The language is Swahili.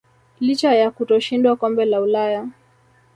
licha ya kutoshindwa kombe la Ulaya